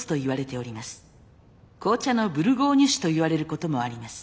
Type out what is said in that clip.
紅茶のブルゴーニュ酒といわれることもあります。